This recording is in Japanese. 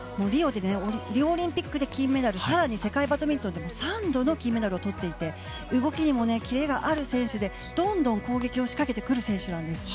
リオオリンピックで金メダル更に世界バドミントンでも３度の金メダルをとっていて動きにもキレがある選手でどんどん攻撃を仕掛けてくる選手なんです。